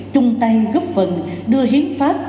chung tay gấp phần đưa hiến pháp